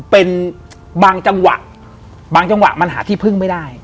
เป็นบางจังหวะบางจังหวะมันหาที่พึ่งไม่ได้